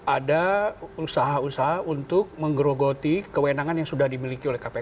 ada usaha usaha untuk menggerogoti kewenangan yang sudah dimiliki oleh kpk